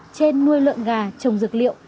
trên nuôi lợn gà trồng dược liệu